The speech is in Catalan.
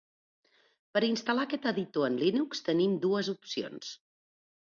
Per instal·lar aquest editor en Linux tenim dues opcions.